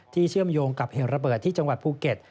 เชื่อมโยงกับเหตุระเบิดที่จังหวัดภูเก็ต